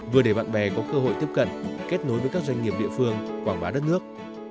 vừa để bạn bè có cơ hội tiếp cận kết nối với các doanh nghiệp địa phương quảng bá đất nước